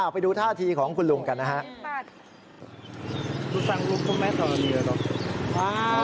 ไปดูท่าทีของคุณลุงกันนะครับ